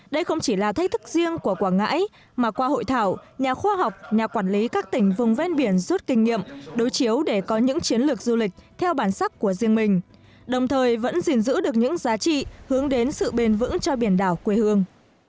đây không chỉ là thách thức riêng của quảng ngãi mà qua hội thảo nhà khoa học nhà quản lý các tỉnh vùng ven biển rút kinh nghiệm đối chiếu để có những chiến lược du lịch theo bản sắc của riêng mình đồng thời vẫn gìn giữ được những giá trị hướng đến sự bền vững cho biển đảo quê hương